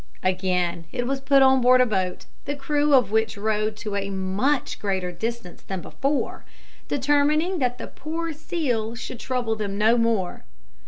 Again it was put on board a boat, the crew of which rowed to a much greater distance than before, determining that the poor seal should trouble them no more.